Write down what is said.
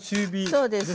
そうです。